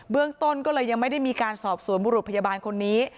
เรื่องต้นก็เลยยังไม่ได้มีการสอบสวนบุรุษพยาบาลคนนี้